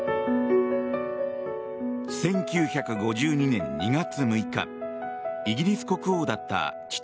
１９５２年２月６日イギリス国王だった父